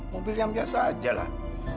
mobil yang biasa aja lah